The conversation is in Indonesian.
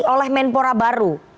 oleh menpora baru